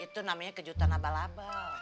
itu namanya kejutan abal abal